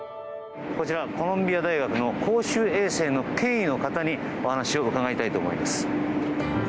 コロンビア大学の公衆衛生の権威の方にお話を伺いたいと思います。